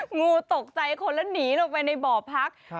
งูตกใจคนแล้วหนีลงไปในบ่อพัก